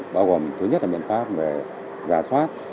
bao gồm thứ nhất là biện pháp về giả soát